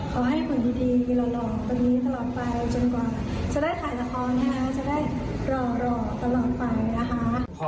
จนกว่าจะได้ขายสะครองนะฮะจะได้หล่อตลอดไปนะฮะ